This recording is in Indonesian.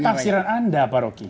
ini kan taksiran anda pak rocky